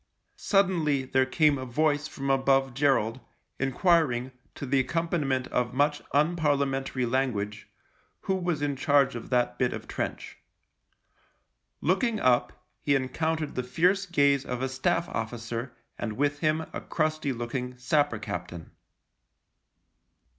Suddenly there came a voice from above Gerald, enquiring, to the accom paniment of much unparliamentary language, who was in charge of that bit of trench. Looking up, he encountered the fierce gaze of a Staff officer and with him a crusty looking sapper captain.